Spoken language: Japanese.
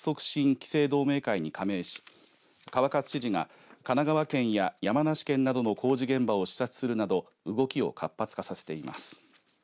期成同盟会に加盟し川勝知事が神奈川県や山梨県などの工事現場を視察するなど動きを活発化させています。